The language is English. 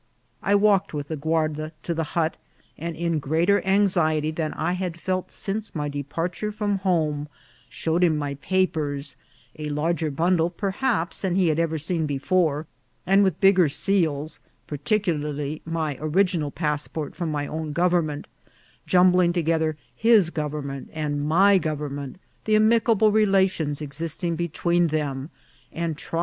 I walked with the guarda to the hut, arid in greater anxiety than I had felt since my departure from home, showed him my papers — a larger bundle, perhaps, than he had ever seen before, and with bigger seals, partic ularly my original passport from my own government — jumbling together his government and my government, the amicable relations existing between them, and try EMBARKING MULES.